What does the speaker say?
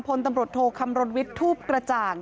พลตำรวจโทรคำรวจวิทธุปฏราจ่าง